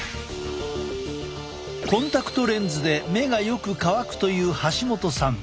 コンタクトレンズで目がよく乾くという橋本さん。